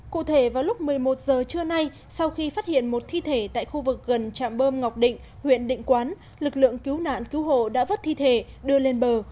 cụ thể vào lúc một mươi một giờ trưa nay sau khi phát hiện một thi thể tại khu vực gần trạm bơm ngọc định huyện định quán lực lượng cứu nạn cứu hộ đã vất thi thể đưa lên bờ